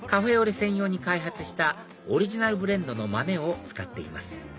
専用に開発したオリジナルブレンドの豆を使っています